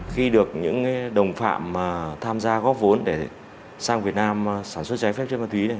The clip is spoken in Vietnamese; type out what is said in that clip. khi được những đồng phạm tham gia góp vốn để sang việt nam sản xuất trái phép chất ma túy